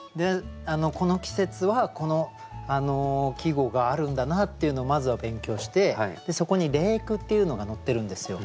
この季節はこの季語があるんだなっていうのをまずは勉強してそこに例句っていうのが載ってるんですよ。